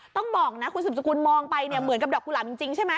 ต้องบอกนะคุณสุดสกุลมองไปเนี่ยเหมือนกับดอกกุหลาบจริงใช่ไหม